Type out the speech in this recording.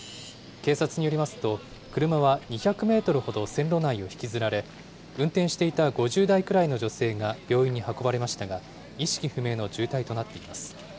警察によりますと、車は２００メートルほど線路内を引きずられ、運転していた５０代くらいの女性が病院に運ばれましたが、意識不明の重体となっています。